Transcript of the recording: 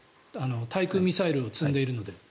対空ミサイルを積んでいるので。